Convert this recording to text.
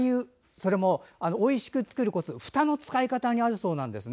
それもおいしく作るコツふたの使い方なんだそうです。